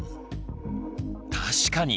確かに！